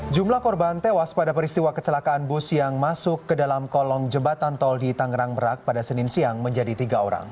jumlah korban tewas pada peristiwa kecelakaan bus yang masuk ke dalam kolong jembatan tol di tangerang merak pada senin siang menjadi tiga orang